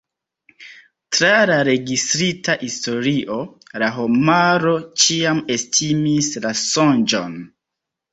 Tra la registrita historio, la homaro ĉiam estimis la sonĝon.